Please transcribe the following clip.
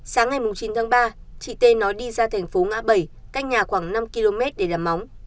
sáng ngày chín tháng ba chị tê nói đi ra thành phố ngã bảy cách nhà khoảng năm km để làm móng